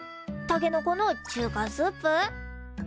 たけのこの中華スープ？